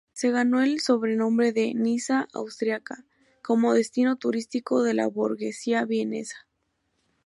Se ganó el sobrenombre de "Niza austríaca" como destino turístico de la burguesía vienesa.